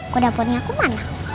kuda poni aku mana